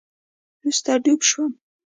وروسته ډوب شوم